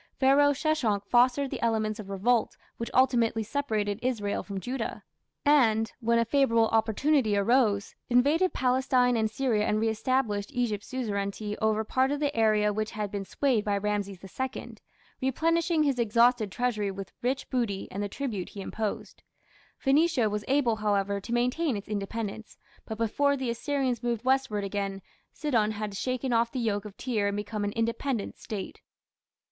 Pharaoh Sheshonk fostered the elements of revolt which ultimately separated Israel from Judah, and, when a favourable opportunity arose, invaded Palestine and Syria and reestablished Egypt's suzerainty over part of the area which had been swayed by Rameses II, replenishing his exhausted treasury with rich booty and the tribute he imposed. Phoenicia was able, however, to maintain its independence, but before the Assyrians moved westward again, Sidon had shaken off the yoke of Tyre and become an independent State.